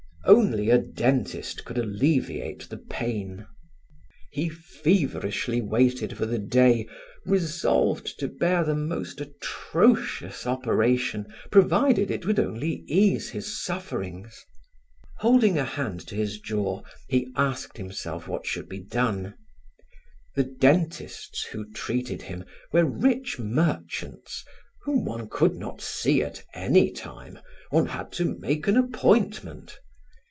Only a dentist could alleviate the pain. He feverishly waited for the day, resolved to bear the most atrocious operation provided it would only ease his sufferings. Holding a hand to his jaw, he asked himself what should be done. The dentists who treated him were rich merchants whom one could not see at any time; one had to make an appointment.